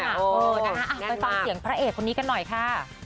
เออนะคะไปฟังเสียงพระเอกคนนี้กันหน่อยค่ะ